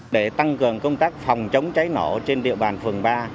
để tăng cường công tác phòng chống cháy nổ trên địa bàn phường ba